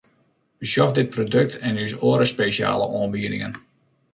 Besjoch dit produkt en ús oare spesjale oanbiedingen!